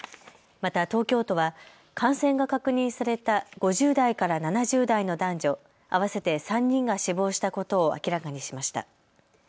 また東京都は感染が確認された５０代から７０代の男女合わせて３人が死亡したことを明らかにしました。